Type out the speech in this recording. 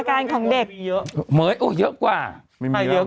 ้ไม่รู้จะรู้จังไงเลย